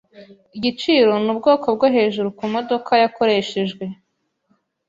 Igiciro ni ubwoko bwo hejuru kumodoka yakoreshejwe.